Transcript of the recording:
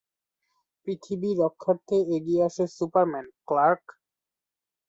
পৃথিবী রক্ষার্থে এগিয়ে আসে সুপারম্যান, ক্লার্ক।